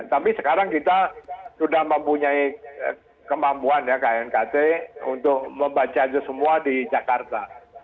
tapi sekarang kita sudah mempunyai kemampuan ya knkt untuk membaca itu semua di jakarta